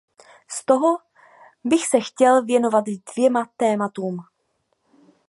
Z toho bych se chtěl věnovat dvěma tématům.